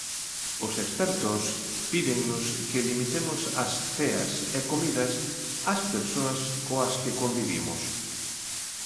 Os expertos pídennos que limitemos as ceas e comidas ás persoas coas que convivimos.